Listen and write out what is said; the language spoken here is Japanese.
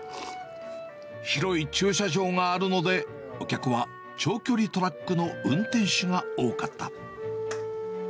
広い駐車場があるので、お客は長距離トラックの運転手が多かった。